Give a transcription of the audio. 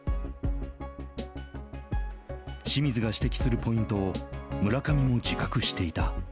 清水が指摘するポイントを村上も自覚していた。